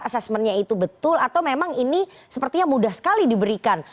assessmentnya itu betul atau memang ini sepertinya mudah sekali diberikan